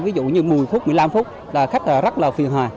ví dụ như một mươi phút một mươi năm phút là khách rất là phiền hà